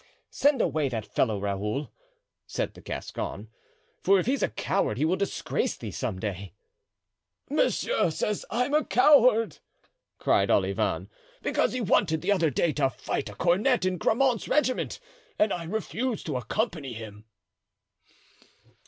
"Send away that fellow, Raoul," said the Gascon; "for if he's a coward he will disgrace thee some day." "Monsieur says I am coward," cried Olivain, "because he wanted the other day to fight a cornet in Grammont's regiment and I refused to accompany him."